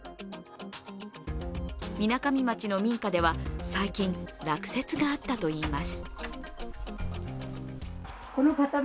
みなかみ町の民家では最近、落雪があったといいます。